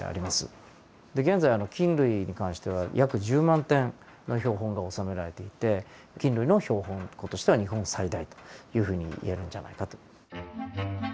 で現在菌類に関しては約１０万点の標本が収められていて菌類の標本庫としては日本最大というふうに言えるんじゃないかと。